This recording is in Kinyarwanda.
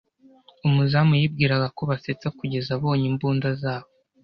umuzamu yibwiraga ko basetsa kugeza abonye imbunda zabo